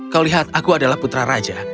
kau lihat aku adalah putra raja